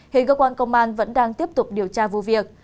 hiện cơ quan công an vẫn đang tiếp tục điều tra vụ việc